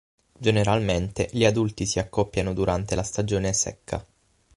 Generalmente gli adulti si accoppiano durante la stagione secca.